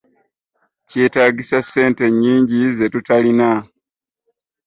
Kyetaagisa ssente nnyingi zetutalina.